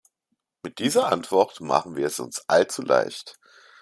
Mit dieser Antwort machen wir es uns allzu leicht.